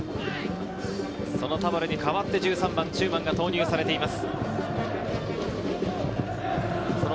その田原に代わって１３番の中馬が投入されています。